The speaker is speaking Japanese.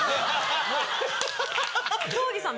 東儀さん